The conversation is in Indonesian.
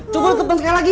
coba temen sekali lagi